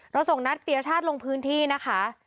ส่งนัดปียชาติลงพื้นที่นะคะ